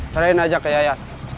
serahin aja ke yayat